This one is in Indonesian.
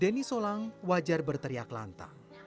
denny solang wajar berteriak lantang